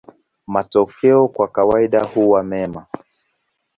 Matokeo kwa kawaida huwa mema.